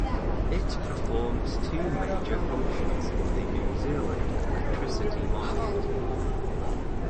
It performs two major functions in the New Zealand electricity market.